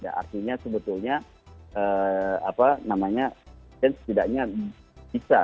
artinya sebetulnya apa namanya presiden setidaknya bisa